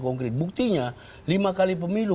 konkret buktinya lima kali pemilu